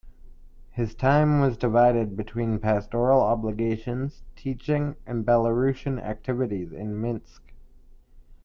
His time was divided between pastoral obligations, teaching, and Belarusian activities in Minsk.